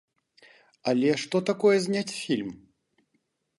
Але што такое зняць фільм?